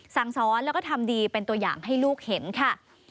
สั่งสอนแล้วก็ทำดีเป็นตัวอย่างให้ลูกเห็นค่ะ